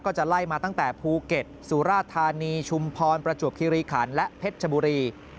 จะไล่มาตั้งแต่ภูเก็ตสุราธานีชุมพรประจวบคิริขันและเพชรชบุรี